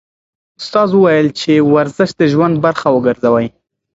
استاد وویل چې ورزش د ژوند برخه وګرځوئ.